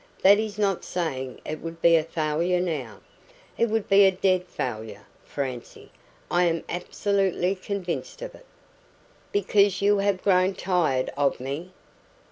That is not saying it would be a failure now." "It would be a dead failure, Francie. I am absolutely convinced of it." "Because you have grown tired of me!